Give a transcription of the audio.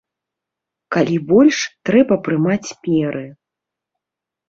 Калі больш, трэба прымаць меры.